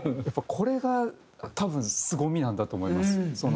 これが多分すごみなんだと思います。